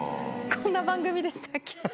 こんな番組でしたっけ？